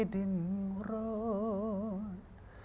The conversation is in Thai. ดินโรด